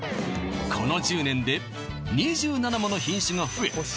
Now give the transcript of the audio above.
この１０年で２７もの品種が増え